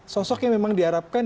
sosok yang memang diharapkan